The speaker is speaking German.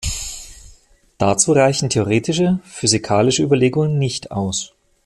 Dazu reichen theoretische, physikalische Überlegungen nicht aus.